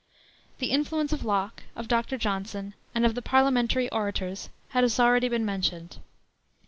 The influence of Locke, of Dr. Johnson, and of the Parliamentary orators has already been mentioned.